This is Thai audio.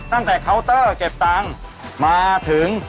ตั้งแต่เคาน์เตอร์เก็บตังค์มาถึง